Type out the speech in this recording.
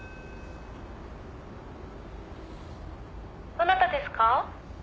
「どなたですか？」